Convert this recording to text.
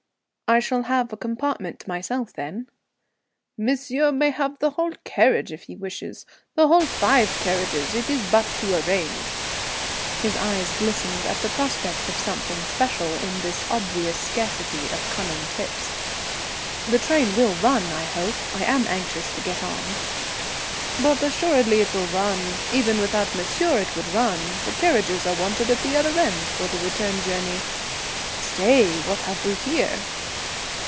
"I shall have a compartment to myself, then?" "Monsieur may have the whole carriage if he wishes the whole five carriages. It is but to arrange." His eyes glistened at the prospect of something special in this obvious scarcity of coming tips. "The train will run, I hope? I am anxious to get on." "But assuredly it will run. Even without monsieur it would run. The carriages are wanted at the other end for the return journey. Stay, what have we here?"